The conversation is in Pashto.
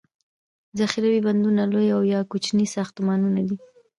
ذخیروي بندونه لوي او یا کوچني ساختمانونه دي.